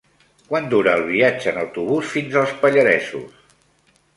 Quant dura el viatge en autobús fins als Pallaresos?